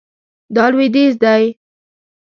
دا لویدیځ دی